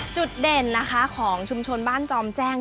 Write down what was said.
จุดเด่นนะคะของชุมชนบ้านจอมแจ้งที่พี่เหินฟ้า